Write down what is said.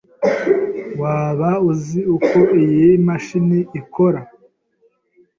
Waba uzi uko iyi mashini ikora?